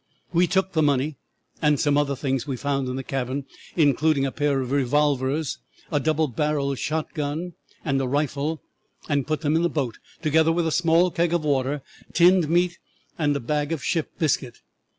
"'We took the money and some other things we found in the cabin, including a pair of revolvers, a double barrelled shot gun, and a rifle, and put them in the boat, together with a small keg of water, tinned meat, and a bag of ship biscuit.